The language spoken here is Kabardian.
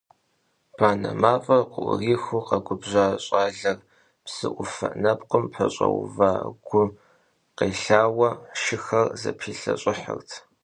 Банэ мафӀэр къыӀурихыу къэгубжьа щӀалэр псыӀуфэ нэпкъым пэщӀэува гум къелъауэ, шыхэр зэпилъэщӀыхьырт.